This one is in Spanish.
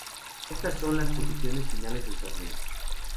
Estas son las posiciones finales del torneo